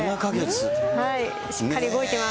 しっかり動いてます。